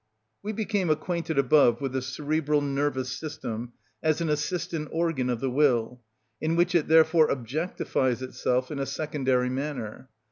We became acquainted above with the cerebral nervous system as an assistant organ of the will, in which it therefore objectifies itself in a secondary manner.